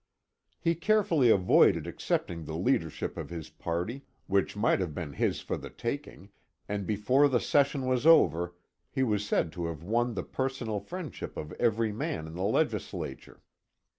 He carefully avoided accepting the leadership of his party, which might have been his for the taking, and before the session was over he was said to have won the personal friendship of every man in the Legislature.